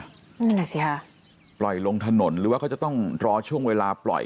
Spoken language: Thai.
นั่นแหละสิค่ะปล่อยลงถนนหรือว่าเขาจะต้องรอช่วงเวลาปล่อย